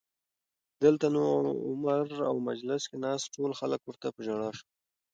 دلته نو عمر او مجلس کې ناست ټول خلک ورته په ژړا شول